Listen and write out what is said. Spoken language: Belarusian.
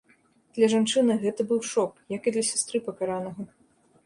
Для жанчыны гэта быў шок, як і для сястры пакаранага.